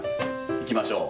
いきましょう。